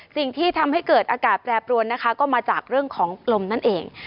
สิ่งที่ทำให้เกิดอากาศแปรปรวนนะคะก็มาจากเรื่องของลมนั่นเอง